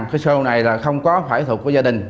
cái show này là không có phải thuộc của gia đình